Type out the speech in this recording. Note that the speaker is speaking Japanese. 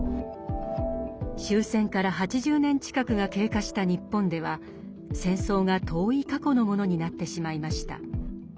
終戦から８０年近くが経過した日本では戦争が遠い過去のものになってしまいました。